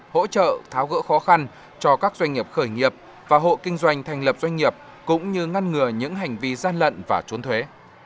hỗ trợ tháo gỡ khó khăn cho các doanh nghiệp khởi nghiệp và hộ kinh doanh thành lập doanh nghiệp cũng như ngăn ngừa những hành vi gian lận và trốn thuế